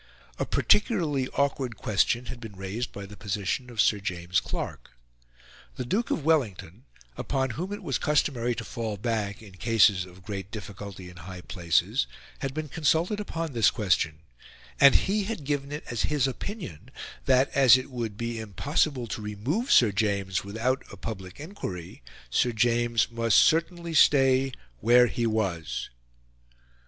A particularly awkward question had been raised by the position of Sir James Clark. The Duke of Wellington, upon whom it was customary to fall back, in cases of great difficulty in high places, had been consulted upon this question, and he had given it as his opinion that, as it would be impossible to remove Sir James without a public enquiry, Sir James must certainly stay where he was.